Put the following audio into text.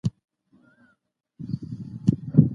د پکتیا ورېته کړو زڼغوزیو ښکلی بوی به په ټول کور کې خپور وو.